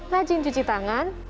rajin cuci tangan